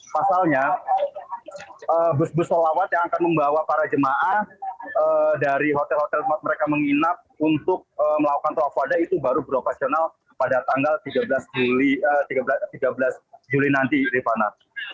pasalnya bus bus solawat yang akan membawa para jemaah dari hotel hotel tempat mereka menginap untuk melakukan tawafadah itu baru beroperasional pada tanggal tiga belas juli nanti rifana